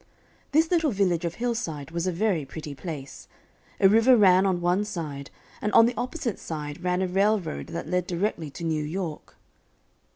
This little village of Hillside was a very pretty place. A river ran on one side, and on the opposite side ran a railroad that led directly to New York.